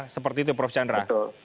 seperti itu prof chandra